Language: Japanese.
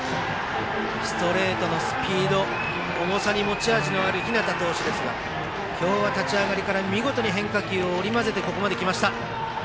ストレートのスピード、重さに持ち味のある日當投手ですが今日は立ち上がりから見事に変化球を織り交ぜてここまで来ました。